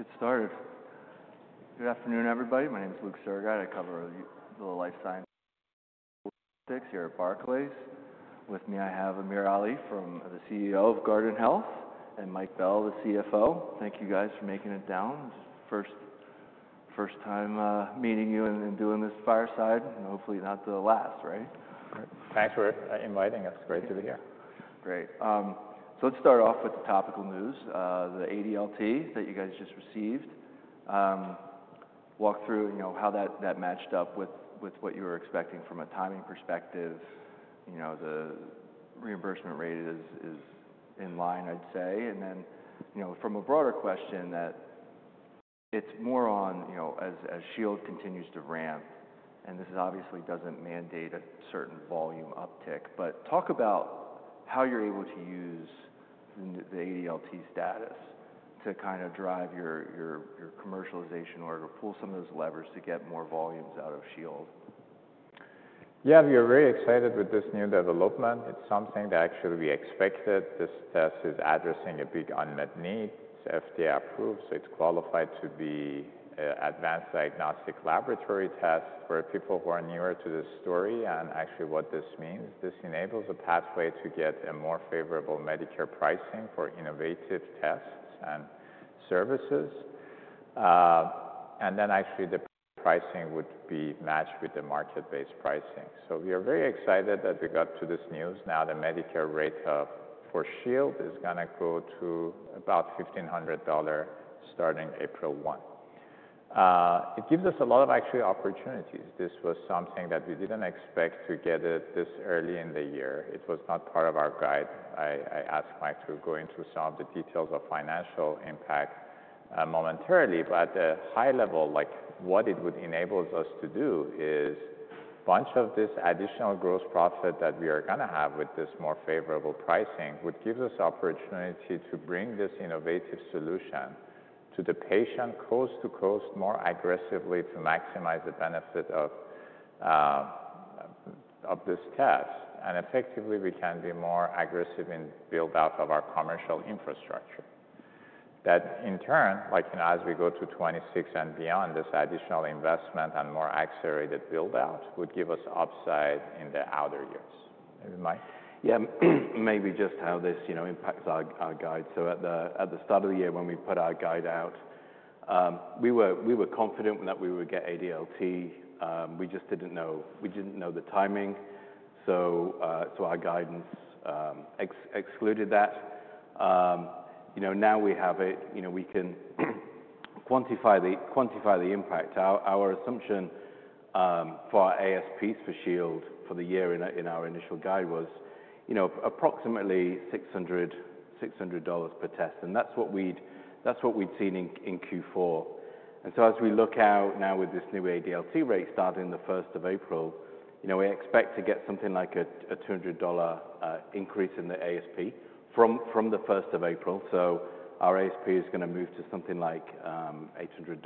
All right, let's get started. Good afternoon, everybody. My name's Luke Sergott. I cover the life sciences here at Barclays. With me I have AmirAli Talasaz, the CEO of Guardant Health, and Mike Bell, the CFO. Thank you guys for making it down. First time meeting you and doing this fireside, hopefully not the last, right? Thanks for inviting us. Great to be here. Great. Let's start off with the topical news, the ADLT that you guys just received. Walk through how that matched up with what you were expecting from a timing perspective. The reimbursement rate is in line, I'd say. From a broader question, it's more on, as Shield continues to ramp, and this obviously doesn't mandate a certain volume uptick, talk about how you're able to use the ADLT status to kind of drive your commercialization or to pull some of those levers to get more volumes out of Shield. Yeah, we are very excited with this new development. It's something that actually we expected. This test is addressing a big unmet need. It's FDA approved, so it's qualified to be an advanced diagnostic laboratory test for people who are newer to this story and actually what this means. This enables a pathway to get a more favorable Medicare pricing for innovative tests and services. Actually, the pricing would be matched with the market-based pricing. We are very excited that we got to this news. Now the Medicare rate for Shield is going to go to about $1,500 starting April 1. It gives us a lot of actually opportunities. This was something that we didn't expect to get it this early in the year. It was not part of our guide. I asked Mike to go into some of the details of financial impact momentarily, but at a high level, what it would enable us to do is a bunch of this additional gross profit that we are going to have with this more favorable pricing, which gives us the opportunity to bring this innovative solution to the patient coast to coast more aggressively to maximize the benefit of this test. Effectively, we can be more aggressive in build-out of our commercial infrastructure. That in turn, as we go to 2026 and beyond, this additional investment and more accelerated build-out would give us upside in the outer years. Yeah, maybe just how this impacts our guide. At the start of the year when we put our guide out, we were confident that we would get ADLT. We just did not know the timing, so our guidance excluded that. Now we have it. We can quantify the impact. Our assumption for our ASPs for Shield for the year in our initial guide was approximately $600 per test, and that is what we had seen in Q4. As we look out now with this new ADLT rate starting the 1st of April, we expect to get something like a $200 increase in the ASP from the 1st of April. Our ASP is going to move to something like $800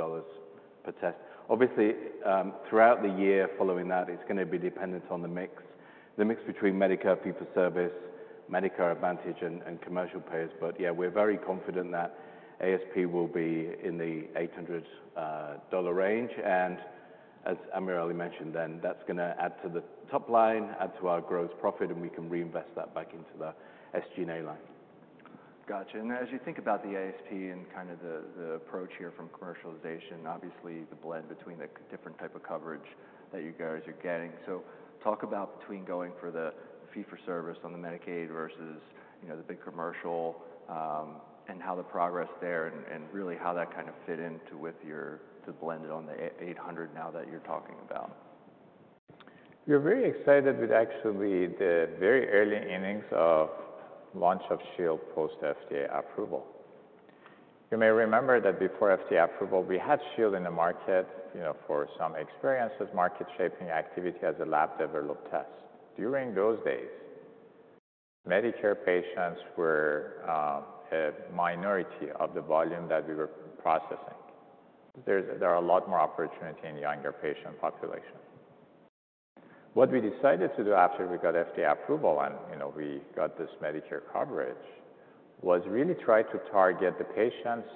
per test. Obviously, throughout the year following that, it is going to be dependent on the mix between Medicare Fee-for-Service, Medicare Advantage, and commercial payers. Yeah, we're very confident that ASP will be in the $800 range. As AmirAli mentioned, that's going to add to the top line, add to our gross profit, and we can reinvest that back into the SG&A line. Gotcha. As you think about the ASP and kind of the approach here from commercialization, obviously the blend between the different type of coverage that you guys are getting. Talk about between going for the fee for service on the Medicare versus the big commercial and how the progress there and really how that kind of fit into with your to blend it on the $800 now that you're talking about. We are very excited with actually the very early innings of launch of Shield post-FDA approval. You may remember that before FDA approval, we had Shield in the market for some experience with market shaping activity as a lab developed test. During those days, Medicare patients were a minority of the volume that we were processing. There are a lot more opportunities in the younger patient population. What we decided to do after we got FDA approval and we got this Medicare coverage was really try to target the patients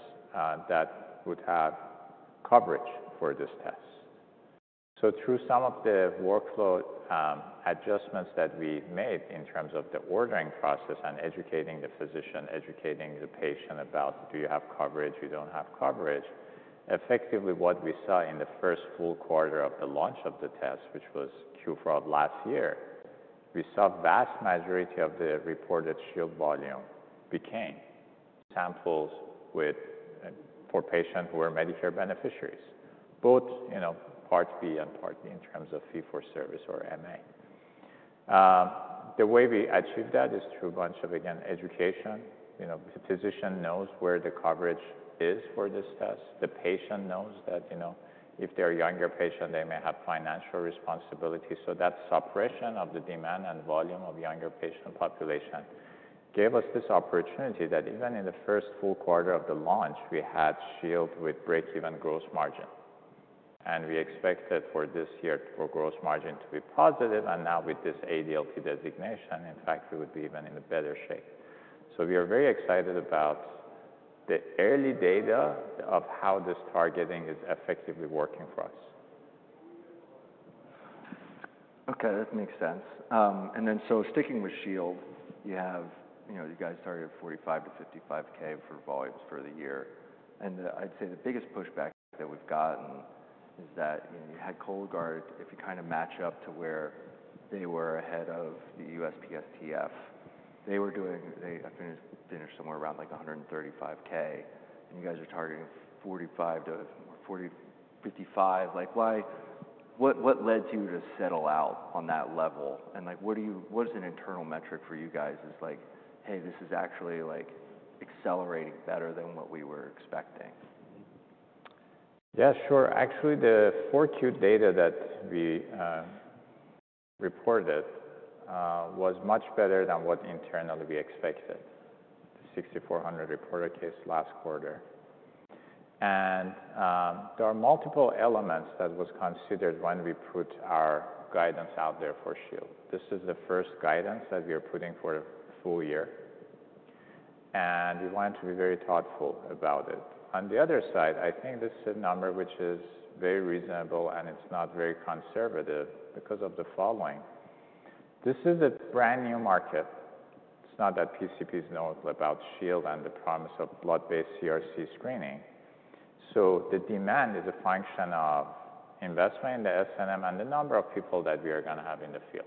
that would have coverage for this test. Through some of the workflow adjustments that we made in terms of the ordering process and educating the physician, educating the patient about do you have coverage, you don't have coverage, effectively what we saw in the first full quarter of the launch of the test, which was Q4 of last year, we saw a vast majority of the reported Shield volume became samples for patients who are Medicare beneficiaries, both Part B and Part D in terms of fee for service or MA. The way we achieved that is through a bunch of, again, education. The physician knows where the coverage is for this test. The patient knows that if they're a younger patient, they may have financial responsibility. That suppression of the demand and volume of younger patient population gave us this opportunity that even in the first full quarter of the launch, we had Shield with break-even gross margin. We expected for this year for gross margin to be positive, and now with this ADLT designation, in fact, we would be even in a better shape. We are very excited about the early data of how this targeting is effectively working for us. Okay, that makes sense. Sticking with Shield, you guys targeted 45,000 to 55,000 for volumes for the year. I'd say the biggest pushback that we've gotten is that you had Cologuard, if you kind of match up to where they were ahead of the USPSTF, they were doing, they finished somewhere around like 135,000, and you guys are targeting 45,000 to 55,000. What led you to settle out on that level? What is an internal metric for you guys as like, hey, this is actually accelerating better than what we were expecting? Yeah, sure. Actually, the Q4 data that we reported was much better than what internally we expected, the 6,400 reported case last quarter. There are multiple elements that were considered when we put our guidance out there for Shield. This is the first guidance that we are putting for a full year, and we wanted to be very thoughtful about it. On the other side, I think this is a number which is very reasonable, and it's not very conservative because of the following. This is a brand new market. It's not that PCPs know about Shield and the promise of blood-based CRC screening. The demand is a function of investment in the S&M and the number of people that we are going to have in the field.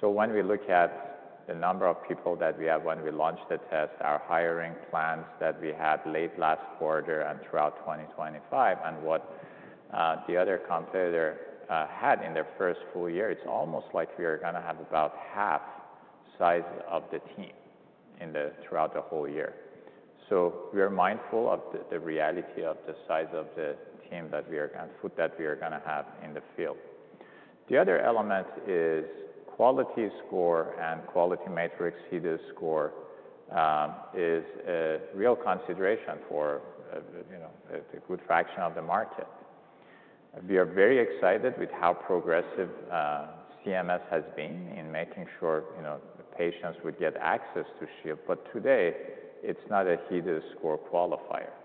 When we look at the number of people that we have when we launched the test, our hiring plans that we had late last quarter and throughout 2025, and what the other competitor had in their first full year, it's almost like we are going to have about half the size of the team throughout the whole year. We are mindful of the reality of the size of the team that we are going to put, that we are going to have in the field. The other element is quality score, and quality metrics HEDIS score is a real consideration for a good fraction of the market. We are very excited with how progressive CMS has been in making sure patients would get access to Shield. Today, it's not a HEDIS score qualifier.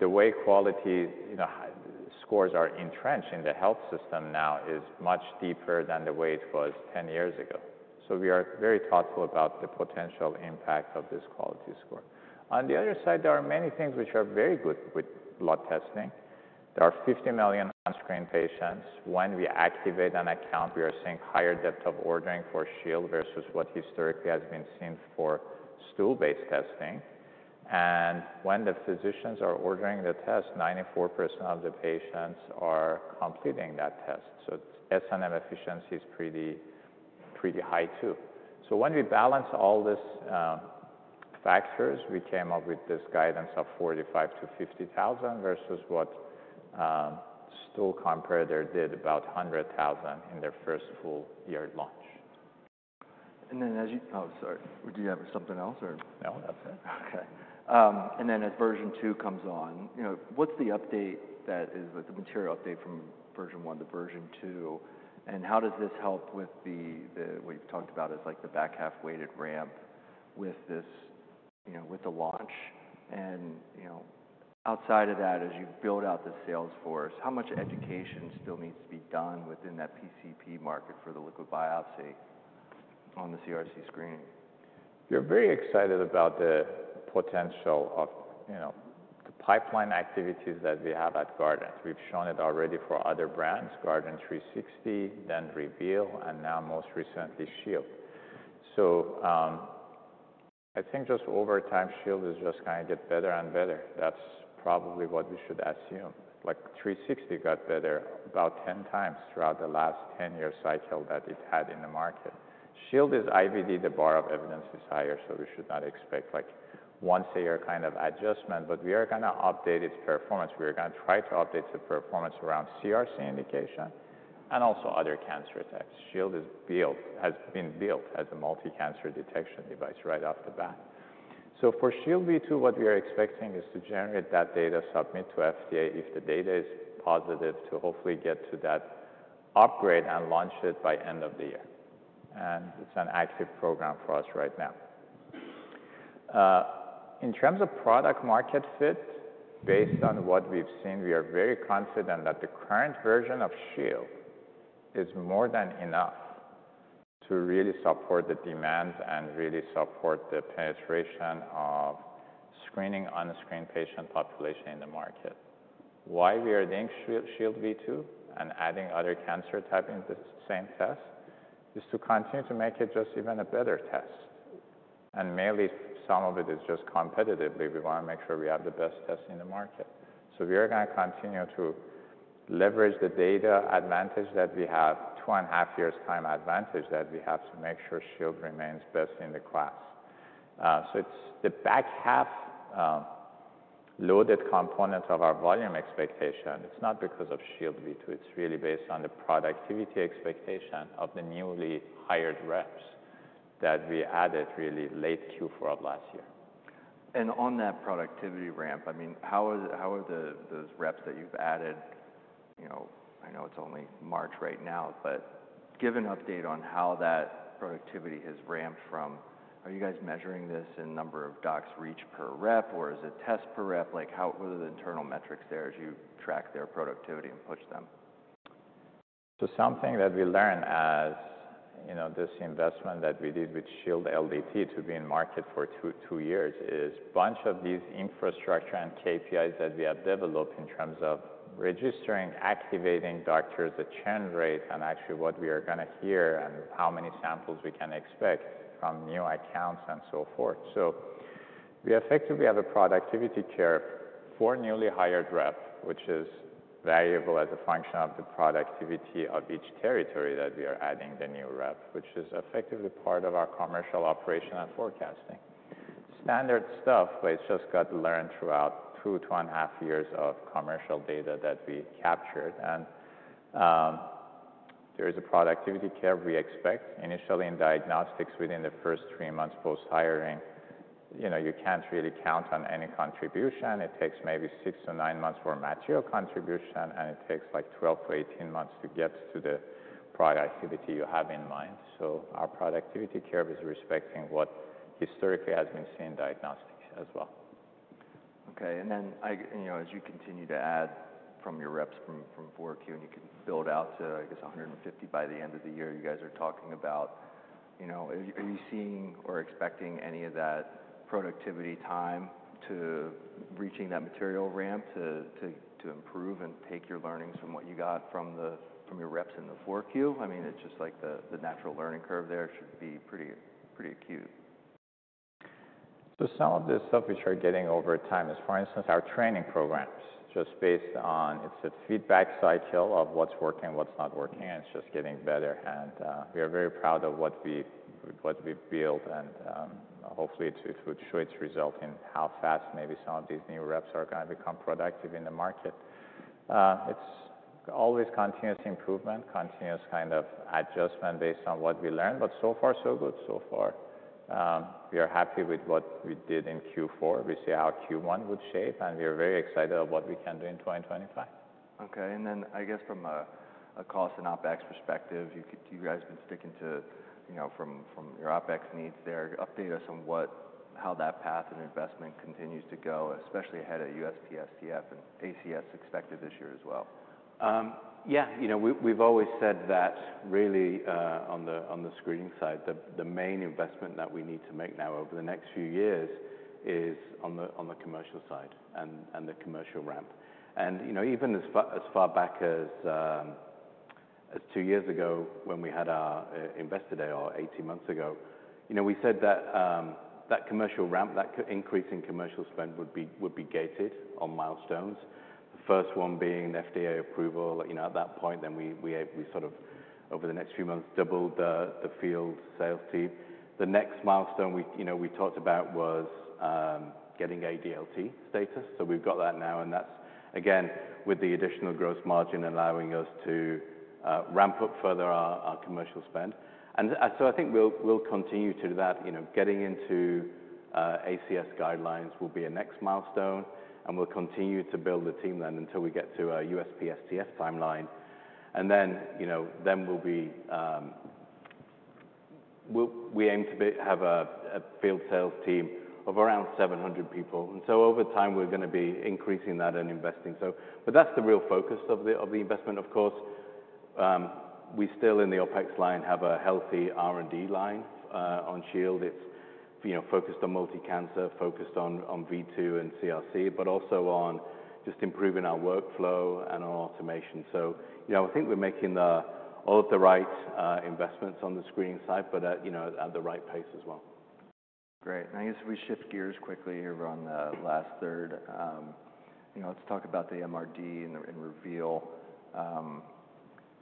The way quality scores are entrenched in the health system now is much deeper than the way it was 10 years ago. We are very thoughtful about the potential impact of this quality score. On the other side, there are many things which are very good with blood testing. There are 50 million unscreened patients. When we activate an account, we are seeing higher depth of ordering for Shield versus what historically has been seen for stool-based testing. When the physicians are ordering the test, 94% of the patients are completing that test. S&M efficiency is pretty high too. When we balance all these factors, we came up with this guidance of 45,000-50,000 versus what stool competitor did, about 100,000 in their first full year launch. As you, oh, sorry. Did you have something else or? No, that's it. Okay. As version two comes on, what's the update that is the material update from version one to version two? How does this help with what you've talked about as like the back half weighted ramp with the launch? Outside of that, as you build out the sales force, how much education still needs to be done within that PCP market for the liquid biopsy on the CRC screening? We are very excited about the potential of the pipeline activities that we have at Guardant. We've shown it already for other brands, Guardant360, then Reveal, and now most recently Shield. I think just over time, Shield is just going to get better and better. That's probably what we should assume. Like 360 got better about 10 times throughout the last 10-year cycle that it had in the market. Shield is IVD; the bar of evidence is higher, so we should not expect like once a year kind of adjustment, but we are going to update its performance. We are going to try to update the performance around CRC indication and also other cancer types. Shield has been built as a multicancer detection device right off the bat. For Shield V2, what we are expecting is to generate that data, submit to FDA if the data is positive to hopefully get to that upgrade and launch it by end of the year. It is an active program for us right now. In terms of product market fit, based on what we've seen, we are very confident that the current version of Shield is more than enough to really support the demand and really support the penetration of screening unscreened patient population in the market. Why we are doing Shield V2 and adding other cancer types in the same test is to continue to make it just even a better test. Mainly some of it is just competitively, we want to make sure we have the best test in the market. We are going to continue to leverage the data advantage that we have, two and a half years' time advantage that we have to make sure Shield remains best in the class. It is the back half loaded component of our volume expectation. It is not because of Shield V2; it is really based on the productivity expectation of the newly hired reps that we added really late Q4 of last year. On that productivity ramp, I mean, how are those reps that you've added? I know it's only March right now, but give an update on how that productivity has ramped from are you guys measuring this in number of docs reach per rep, or is it test per rep? What are the internal metrics there as you track their productivity and push them? Something that we learned as this investment that we did with Shield LDT to be in market for two years is a bunch of these infrastructure and KPIs that we have developed in terms of registering, activating doctors, the churn rate, and actually what we are going to hear and how many samples we can expect from new accounts and so forth. We effectively have a productivity curve for newly hired rep, which is variable as a function of the productivity of each territory that we are adding the new rep, which is effectively part of our commercial operation and forecasting. Standard stuff, but it just got learned throughout two to two and a half years of commercial data that we captured. There is a productivity curve we expect initially in diagnostics within the first three months post-hiring. You can't really count on any contribution. It takes maybe six to nine months for material contribution, and it takes like 12 to 18 months to get to the productivity you have in mind. Our productivity curve is respecting what historically has been seen in diagnostics as well. Okay. As you continue to add from your reps from Q4, and you can build out to, I guess, 150 by the end of the year, you guys are talking about, are you seeing or expecting any of that productivity time to reaching that material ramp to improve and take your learnings from what you got from your reps in the Q4? I mean, it's just like the natural learning curve there should be pretty acute. Some of the stuff which we are getting over time is, for instance, our training programs just based on it's a feedback cycle of what's working, what's not working, and it's just getting better. We are very proud of what we've built, and hopefully it will show its result in how fast maybe some of these new reps are going to become productive in the market. It's always continuous improvement, continuous kind of adjustment based on what we learn, but so far, so good so far. We are happy with what we did in Q4. We see how Q1 would shape, and we are very excited about what we can do in 2025. Okay. I guess from a cost and OpEx perspective, you guys have been sticking to from your OpEx needs there. Update us on how that path and investment continues to go, especially ahead of USPSTF and ACS expected this year as well. Yeah. We've always said that really on the screening side, the main investment that we need to make now over the next few years is on the commercial side and the commercial ramp. Even as far back as two years ago when we had our investor day, or 18 months ago, we said that that commercial ramp, that increase in commercial spend would be gated on milestones. The first one being FDA approval. At that point, then we sort of over the next few months doubled the field sales team. The next milestone we talked about was getting ADLT status. We've got that now, and that's again with the additional gross margin allowing us to ramp up further our commercial spend. I think we'll continue to do that. Getting into ACS guidelines will be a next milestone, and we will continue to build the team then until we get to a USPSTF timeline. We aim to have a field sales team of around 700 people. Over time, we are going to be increasing that and investing. That is the real focus of the investment, of course. We still in the OpEx line have a healthy R&D line on Shield. It is focused on multicancer, focused on V2 and CRC, but also on just improving our workflow and our automation. I think we are making all of the right investments on the screening side, but at the right pace as well. Great. I guess if we shift gears quickly here on the last third, let's talk about the MRD and Reveal.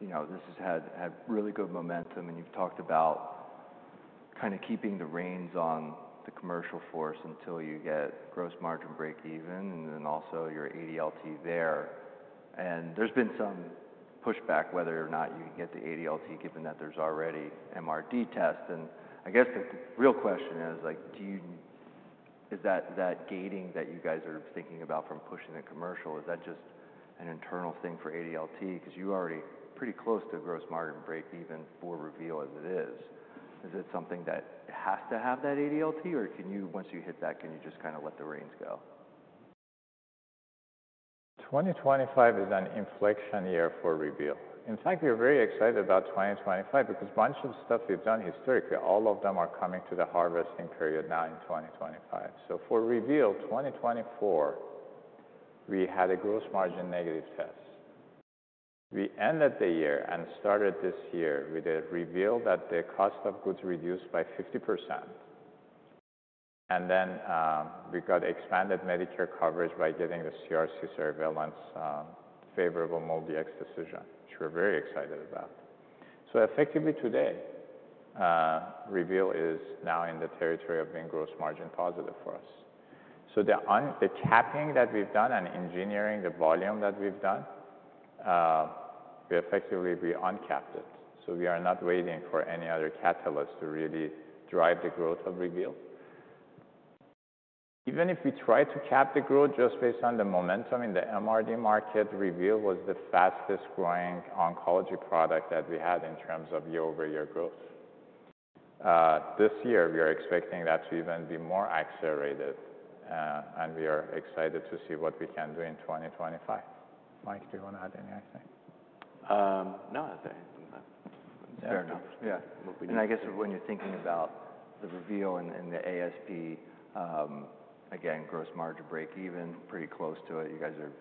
This has had really good momentum, and you've talked about kind of keeping the reins on the commercial force until you get gross margin breakeven and then also your ADLT there. There's been some pushback whether or not you can get the ADLT given that there's already MRD test. I guess the real question is, is that gating that you guys are thinking about from pushing the commercial, is that just an internal thing for ADLT? Because you're already pretty close to gross margin breakeven for Reveal as it is. Is it something that has to have that ADLT, or once you hit that, can you just kind of let the reins go? 2025 is an inflection year for Reveal. In fact, we're very excited about 2025 because a bunch of stuff we've done historically, all of them are coming to the harvesting period now in 2025. For Reveal, 2024, we had a gross margin negative test. We ended the year and started this year with a Reveal that the cost of goods reduced by 50%. We got expanded Medicare coverage by getting the CRC surveillance favorable MolDX decision, which we're very excited about. Effectively today, Reveal is now in the territory of being gross margin positive for us. The capping that we've done and engineering the volume that we've done, we effectively uncapped it. We are not waiting for any other catalysts to really drive the growth of Reveal. Even if we try to cap the growth just based on the momentum in the MRD market, Reveal was the fastest growing oncology product that we had in terms of year-over-year growth. This year, we are expecting that to even be more accelerated, and we are excited to see what we can do in 2025. Mike, do you want to add anything? No, I think that's fair enough. Yeah. I guess when you're thinking about the Reveal and the ASP, again, gross margin breakeven, pretty close to it, you guys are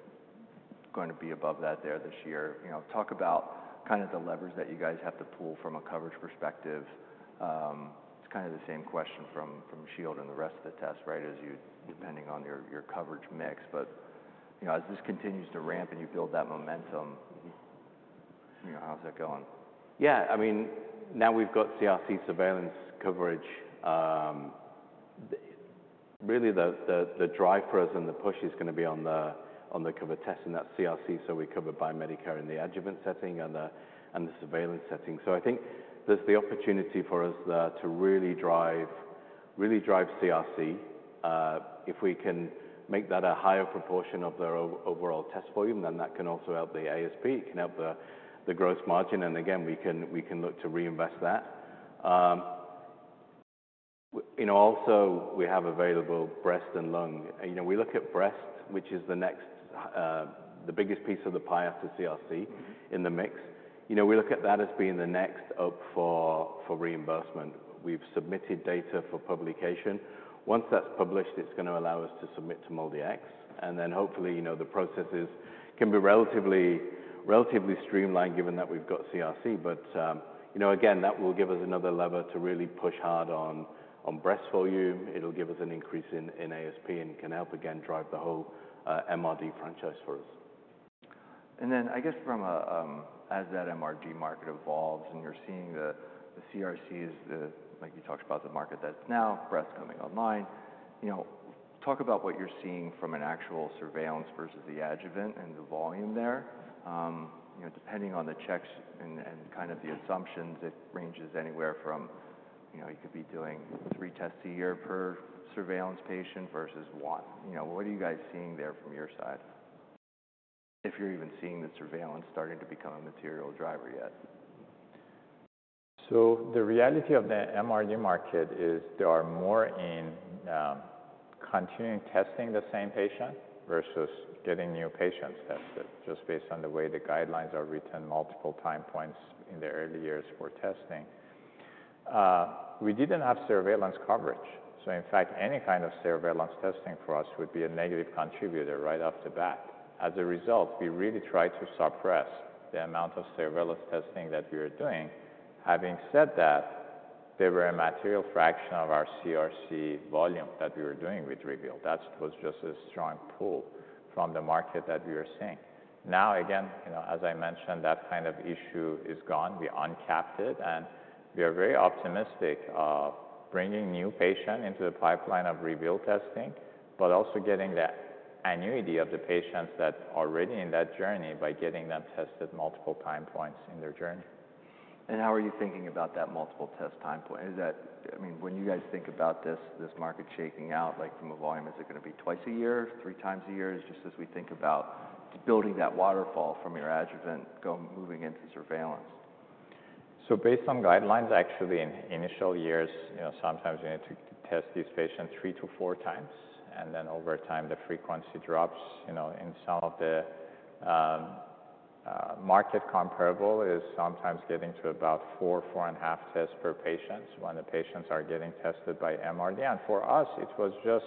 going to be above that there this year. Talk about kind of the levers that you guys have to pull from a coverage perspective. It's kind of the same question from Shield and the rest of the test, right, depending on your coverage mix. As this continues to ramp and you build that momentum, how's that going? Yeah. I mean, now we've got CRC surveillance coverage. Really, the drive for us and the push is going to be on the covered test and that CRC, so we cover by Medicare in the adjuvant setting and the surveillance setting. I think there's the opportunity for us to really drive CRC. If we can make that a higher proportion of the overall test volume, then that can also help the ASP, can help the gross margin. Again, we can look to reinvest that. Also, we have available breast and lung. We look at breast, which is the biggest piece of the pie after CRC in the mix. We look at that as being the next up for reimbursement. We've submitted data for publication. Once that's published, it's going to allow us to submit to MolDX. Hopefully the processes can be relatively streamlined given that we've got CRC. That will give us another lever to really push hard on breast volume. It'll give us an increase in ASP and can help again drive the whole MRD franchise for us. I guess as that MRD market evolves and you're seeing the CRCs, like you talked about the market that's now breast coming online, talk about what you're seeing from an actual surveillance versus the adjuvant and the volume there. Depending on the checks and kind of the assumptions, it ranges anywhere from you could be doing three tests a year per surveillance patient versus one. What are you guys seeing there from your side? If you're even seeing the surveillance starting to become a material driver yet. The reality of the MRD market is there are more in continuing testing the same patient versus getting new patients tested just based on the way the guidelines are written, multiple time points in the early years for testing. We did not have surveillance coverage. In fact, any kind of surveillance testing for us would be a negative contributor right off the bat. As a result, we really tried to suppress the amount of surveillance testing that we were doing. Having said that, there were a material fraction of our CRC volume that we were doing with Reveal. That was just a strong pull from the market that we were seeing. Now, again, as I mentioned, that kind of issue is gone. We uncapped it, and we are very optimistic of bringing new patients into the pipeline of Reveal testing, but also getting the annuity of the patients that are already in that journey by getting them tested multiple time points in their journey. How are you thinking about that multiple test time point? I mean, when you guys think about this market shaking out, like from a volume, is it going to be twice a year, three times a year? Just as we think about building that waterfall from your adjuvant, moving into surveillance. Based on guidelines, actually in initial years, sometimes you need to test these patients three to four times, and then over time the frequency drops. In some of the market comparable, it is sometimes getting to about four, four and a half tests per patient when the patients are getting tested by MRD. For us, it was just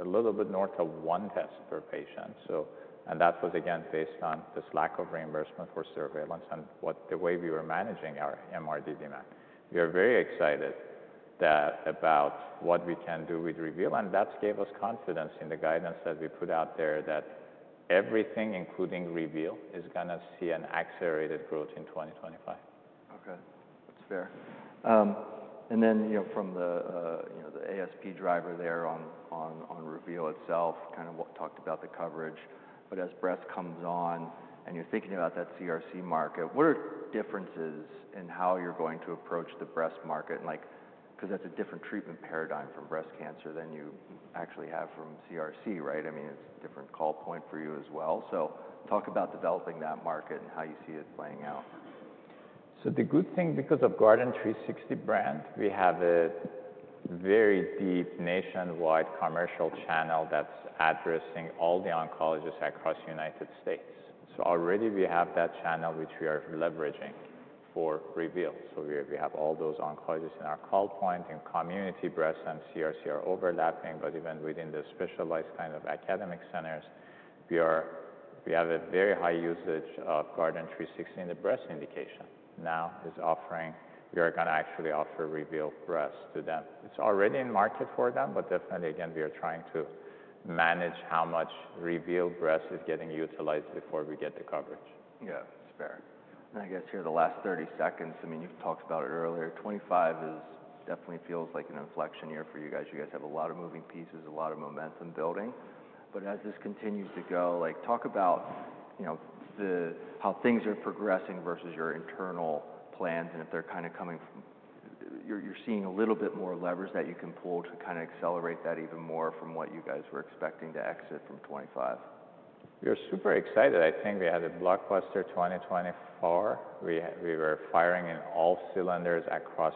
a little bit north of one test per patient. That was again based on this lack of reimbursement for surveillance and the way we were managing our MRD demand. We are very excited about what we can do with Reveal, and that gave us confidence in the guidance that we put out there that everything, including Reveal, is going to see an accelerated growth in 2025. Okay. That's fair. From the ASP driver there on Reveal itself, kind of talked about the coverage. As breast comes on and you're thinking about that CRC market, what are differences in how you're going to approach the breast market? Because that's a different treatment paradigm from breast cancer than you actually have from CRC, right? I mean, it's a different call point for you as well. Talk about developing that market and how you see it playing out. The good thing because of Guardant360 brand, we have a very deep nationwide commercial channel that's addressing all the oncologists across the United States. Already we have that channel, which we are leveraging for Reveal. We have all those oncologists in our call point and community breast and CRC are overlapping, but even within the specialized kind of academic centers, we have a very high usage of Guardant360 in the breast indication. Now is offering, we are going to actually offer Reveal breast to them. It's already in market for them, but definitely again, we are trying to manage how much Reveal breast is getting utilized before we get the coverage. Yeah. That's fair. I guess here the last 30 seconds, I mean, you've talked about it earlier. 2025 definitely feels like an inflection year for you guys. You guys have a lot of moving pieces, a lot of momentum building. As this continues to go, talk about how things are progressing versus your internal plans and if they're kind of coming, you're seeing a little bit more levers that you can pull to kind of accelerate that even more from what you guys were expecting to exit from 2025. We are super excited. I think we had a blockbuster 2024. We were firing in all cylinders across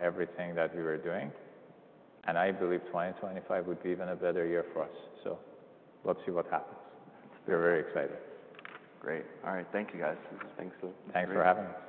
everything that we were doing. I believe 2025 would be even a better year for us. Let's see what happens. We're very excited. Great. All right. Thank you, guys. Thanks for having us.